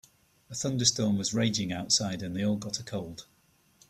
A thunderstorm was raging outside and they all got a cold.